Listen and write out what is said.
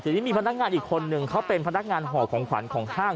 ทีนี้มีพนักงานอีกคนนึงเขาเป็นพนักงานห่อของขวัญของห้าง